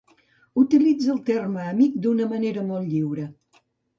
Utilitza el terme 'amic' d'una manera molt lliure.